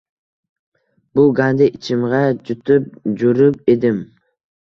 Bu gandi ichimg‘a jutib jurib edim